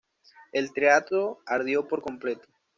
El teatro ardió por completo.